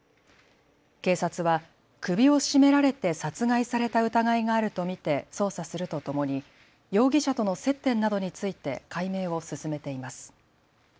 警察は首を絞められて殺害された疑いがあると見て捜査するとともに容疑者との接点などについて解明を進めています。